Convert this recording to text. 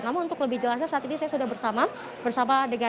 namun untuk lebih jelasnya saat ini saya sudah bersama dengan